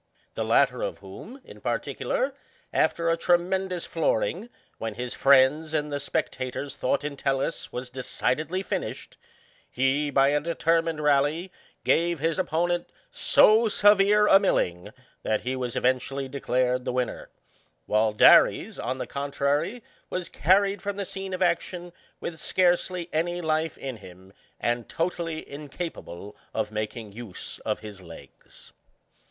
The latter of whom, in particular, after a tremendous floorings when his friends and the spec tators thought Entellus was decidedly finished^ he, by a determined rally, gave his opponent so severe a milling that he was eventually declared the victor; while Daresy on the contrary, was carried from the scene of action with scarcely any life in him, and totally incapable of making use of his legs.